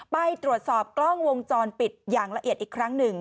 ไปตรวจสอบกล้องวงจรปิดอย่างละเอียดอีกครั้งหนึ่ง